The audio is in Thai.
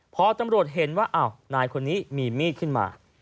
พอตำรวจเห็นว่าอ้าวนายคนนี้มีมีดขึ้นมา